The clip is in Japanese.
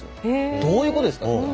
どういうことですかって。